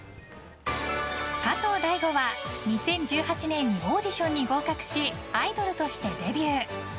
加藤大悟は２０１８年にオーディションに合格しアイドルとしてデビュー。